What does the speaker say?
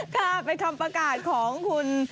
ค่ะเป็นคำประกาศของคุณ